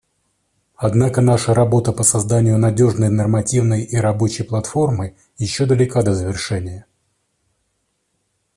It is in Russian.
Однако наша работа по созданию надежной нормативной и рабочей платформы еще далека до завершения.